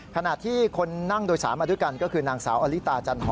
ขณะที่คนนั่งโดยสารมาด้วยกันก็คือนางสาวอลิตาจันหอม